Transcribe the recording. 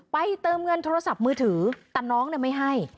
เติมเงินโทรศัพท์มือถือแต่น้องไม่ให้